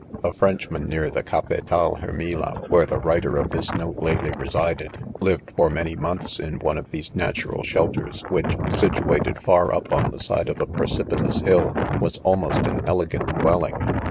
A Frenchman, near the "Cafetal Heftmla," (where the writer of this / NOTES. 225 ftote lately resided,) lived for many months in one of these natural shelters, Which situated, far up, on the side of a precipitous hill, Was almost an ekgamt dwelling.